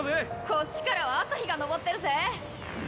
こっちからは朝日が昇ってるぜ